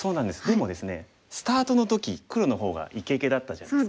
でもですねスタートの時黒の方がいけいけだったじゃないですか。